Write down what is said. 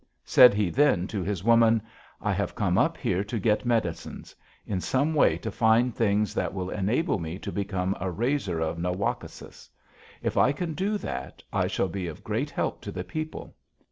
Said he then to his woman: 'I have come up here to get medicines; in some way to find things that will enable me to become a raiser of na wak´ o sis. If I can do that, I shall be of great help to the people.